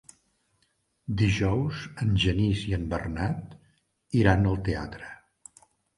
Dijous en Genís i en Bernat iran al teatre.